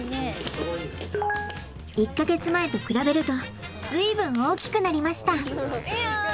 １か月前と比べると随分大きくなりました！